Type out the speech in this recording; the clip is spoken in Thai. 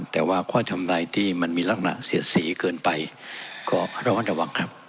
แต่ว่าข้อทำลายที่มันมีลักหนักเสียสีเกินไปก็ระวังระวังครับ